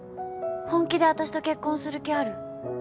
本気で私と結婚する気ある？